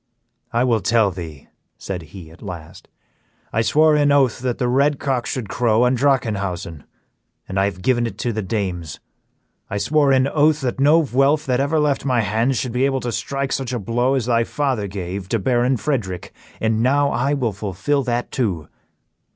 "I will tell thee," said he, at last; "I swore an oath that the red cock should crow on Drachenhausen, and I have given it to the dames. I swore an oath that no Vuelph that ever left my hands should be able to strike such a blow as thy father gave to Baron Frederick, and now I will fulfil that too.